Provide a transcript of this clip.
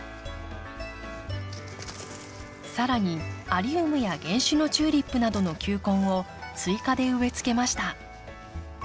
更にアリウムや原種のチューリップなどの球根を追加で植えつけました。